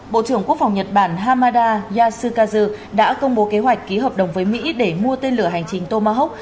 bộ trưởng quốc phòng nhật bản hamada yasukazu đã công bố kế hoạch ký hợp đồng với mỹ để mua tên lửa hành trình tomahawk